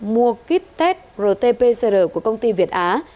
mua kit test rt pcr của công ty việt á